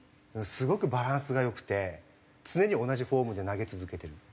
すごくバランスが良くて常に同じフォームで投げ続けてる。